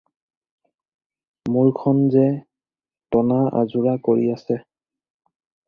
মোৰখন যে টনা-আজোঁৰা কৰি আছে?